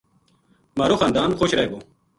مھارو خاندان خوش رہ گو